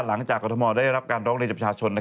หลังจากกรุธมอลได้รับการร้องเรียนจับชาวชน